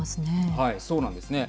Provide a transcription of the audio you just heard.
そうなんですね。